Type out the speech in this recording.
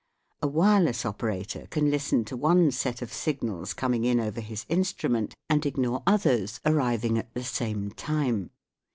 A wireless operator can listen to one set of signals coming in over his instru ment and ignore others arriving at the same time.